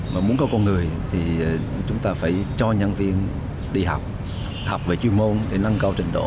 mà muốn có con người thì chúng ta phải cho nhân viên đi học học về chuyên môn để nâng cao trình độ